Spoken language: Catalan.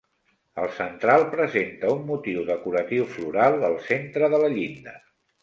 El central presenta un motiu decoratiu floral al centre de la llinda.